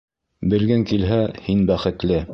Белгең килһә, һин бәхетле.